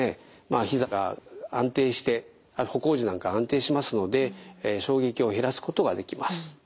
ひざが安定して歩行時なんか安定しますので衝撃を減らすことができます。